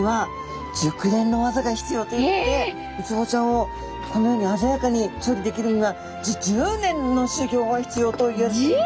ウツボちゃんをこのように鮮やかに調理できるには１０年のしゅぎょうが必要といわれているみたいです。